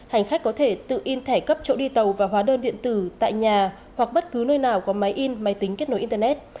hành khách có thể tự in thẻ cấp chỗ đi tàu và hóa đơn điện tử tại nhà hoặc bất cứ nơi nào có máy in máy tính kết nối internet